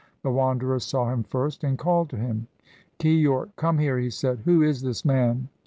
The Wanderer saw him first and called to him. "Keyork come here!" he said. "Who is this man?"